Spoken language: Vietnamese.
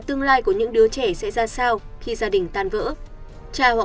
tương lai của những đứa trẻ sẽ ra sao